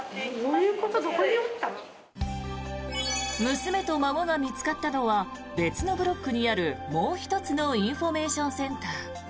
娘と孫が見つかったのは別のブロックにあるもう１つのインフォメーションセンター。